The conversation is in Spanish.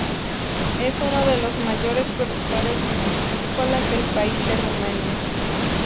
Es uno de los mayores productores vitivinícolas del país de Rumania.